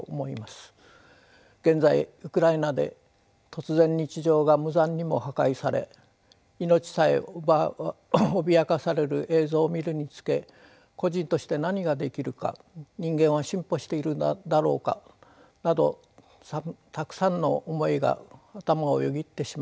現在ウクライナで突然日常が無残にも破壊され命さえ脅かされる映像を見るにつけ個人として何ができるか人間は進歩しているだろうかなどたくさんの思いが頭をよぎってしまいます。